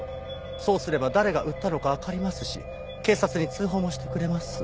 そうすれば誰が売ったのかわかりますし警察に通報もしてくれます。